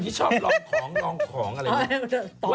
พี่ปุ้ยลูกโตแล้ว